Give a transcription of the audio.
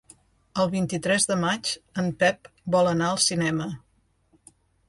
El vint-i-tres de maig en Pep vol anar al cinema.